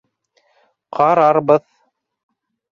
Ҡарарбыҙ.